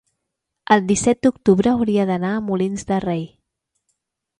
el disset d'octubre hauria d'anar a Molins de Rei.